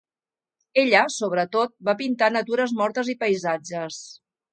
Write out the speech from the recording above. Ella, sobretot va pintar natures mortes i paisatges.